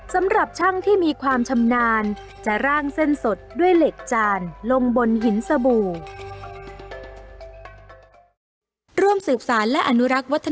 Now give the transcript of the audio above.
สำหรับช่างที่มีความชำนาญจะร่างเส้นสดด้วยเหล็กจานลงบนหินสบู่